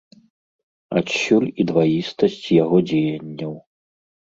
Адсюль і дваістасць яго дзеянняў.